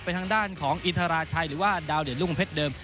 ทางด้านของอินทราชัยหรือว่าดาวเดชรุ่งเพชรเดิม